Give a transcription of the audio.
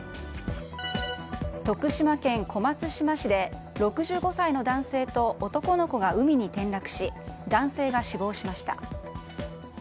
徳島県小松島市で６５歳の男性と男の子が海に転落し男性が死亡しました。